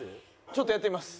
ちょっとやってみます。